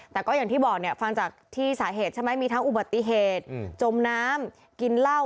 แต่ก็อย่างที่บอกเนี่ยฟังจากที่สาเหตุใช่ไหมมีทั้งอุบัติเหตุจมน้ำกินเหล้า